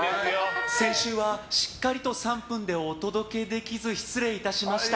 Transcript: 先週はしっかりと３分でお届けできず失礼いたしました。